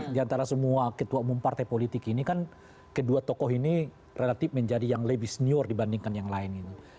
di antara semua ketua umum partai politik ini kan kedua tokoh ini relatif menjadi yang lebih senior dibandingkan yang lain